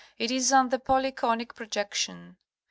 It is on the polyconic projection.